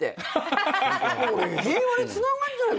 平和につながんじゃない？